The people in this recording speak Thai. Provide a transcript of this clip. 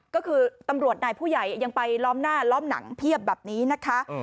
ก็คือตำรวจนายผู้ใหญ่ยังไปล้อมหน้าล้อมหนังเพียบแบบนี้นะคะ